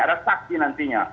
ada saksi nantinya